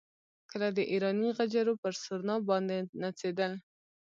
کله د ایراني غجرو پر سورنا باندې نڅېدل.